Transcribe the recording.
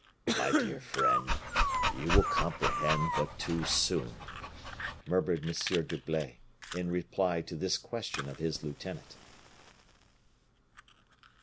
"My dear friend, you will comprehend but too soon," murmured M. d'Herblay, in reply to this question of his lieutenant.